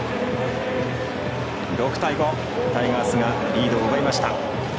６対５、タイガースがリードを奪いました。